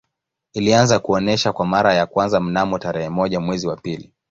Ilianza kuonesha kwa mara ya kwanza mnamo tarehe moja mwezi wa pili